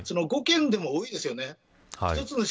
５件でも多いですよね。